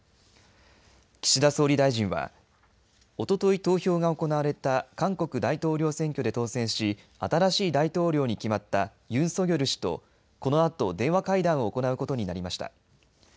岸田総理大臣はおととい投票が行われた韓国大統領選挙で当選し新しい大統領に決まったユン・ソギョル氏とこのあと電話会談を行うことになりました。